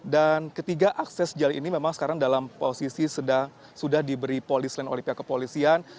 dan ketiga akses jalan ini memang sekarang dalam posisi sudah diberi polis lain oleh pihak kepolisian